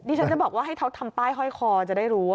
ฉันจะบอกว่าให้เขาทำป้ายห้อยคอจะได้รู้ว่า